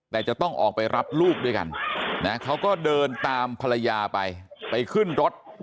แต่จะต้องออกไปรับลูกด้วยกันนะเขาก็เดินตามภรรยาไปไปขึ้นรถ